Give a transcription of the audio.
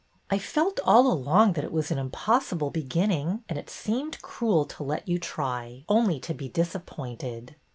" I felt all along that it was an impossible be ginning, and it seemed cruel to let you try, only to be disappointed."